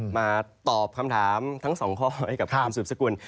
มาตอบคำถามทั้งสองข้อให้กับคุณสืบสกุล